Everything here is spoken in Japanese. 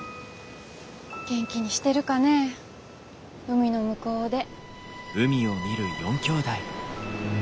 元気にしてるかねぇ海の向こうで。